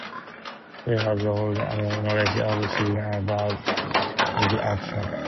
He has an unmatched knowledge of Sri Lanka's bird songs and calls.